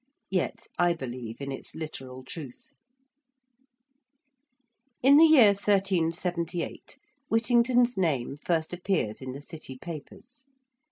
Yet I believe in its literal truth. In the year 1378 Whittington's name first appears in the City papers.